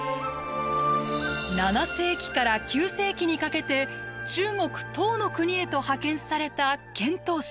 ７世紀から９世紀にかけて中国唐の国へと派遣された遣唐使。